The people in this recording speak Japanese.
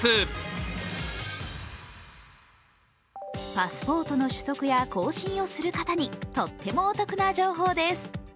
パスポートの取得や更新をする方にとってもお得な情報です。